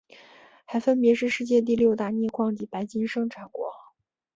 还分别是世界第六大镍矿及白金生产国。